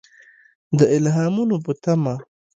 د الهامونو په تمه.